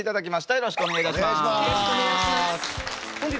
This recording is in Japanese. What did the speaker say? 「よろしくお願いします」。